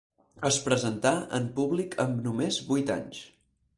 Es presentà en públic amb només vuit anys.